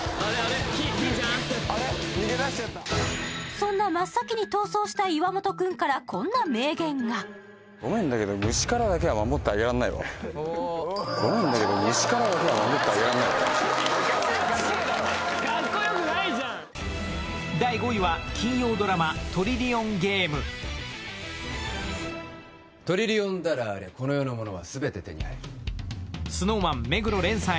そんな真っ先に逃走した岩本君からこんな名言が第５位は金曜ドラマトリリオンダラーありゃこの世のものは全て手に入るＳｎｏｗＭａｎ目黒蓮さん